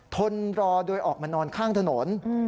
ทนรอโดยออกมานอนข้างถนน